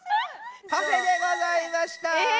パフェでございました。